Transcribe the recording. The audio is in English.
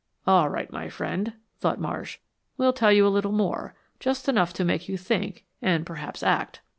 "All right, my friend," thought Marsh. "We'll tell you a little more; just enough to make you think and perhaps act."